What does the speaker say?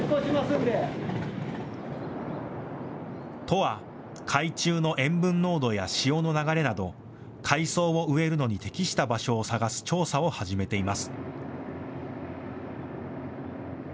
都は海中の塩分濃度や潮の流れなど海草を植えるのに適した場所を探す調査を始めています。